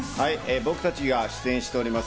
僕たちが出演しております